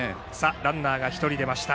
ランナーが１人出ました。